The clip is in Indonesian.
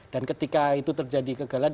ketika itu terjadi kegagalan